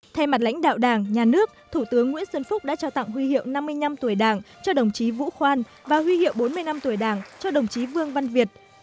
thay mặt lãnh đạo đảng nhà nước thủ tướng nguyễn xuân phúc đã trao tặng huy hiệu năm mươi năm tuổi đảng cho đồng chí vũ khoan và huy hiệu bốn mươi năm tuổi đảng cho đồng chí vương văn việt